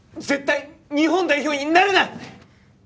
絶対日本代表になれない！